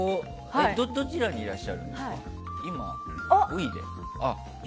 どちらにいらっしゃるんですか？